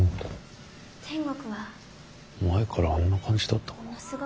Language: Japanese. あの子前からあんな感じだったかな。